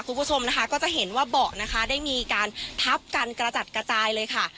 คุณผู้ชมนะคะก็จะเห็นว่าเบาะนะคะได้มีการทับกันกระจัดกระจายเลยค่ะ